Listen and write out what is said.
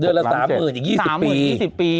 เดือนละ๓๐๐๐๐อีก๒๐ปี